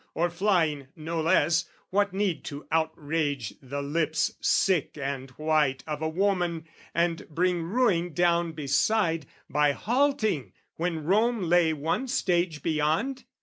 or flying no less, "What need to outrage the lips sick and white "Of a woman, and bring ruin down beside, "By halting when Rome lay one stage beyond?"